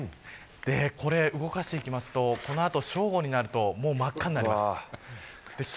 これ、動かしていきますとこの後、正午になるともう真っ赤になります。